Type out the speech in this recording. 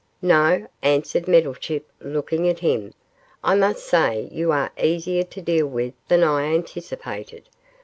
'No,' answered Meddlechip, looking at him. 'I must say you are easier to deal with than I anticipated.